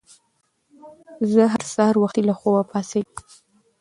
زه هر سهار وختي له خوبه پاڅېږم